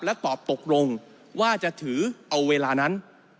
ตอบตกลงว่าจะถือเอาเวลานั้น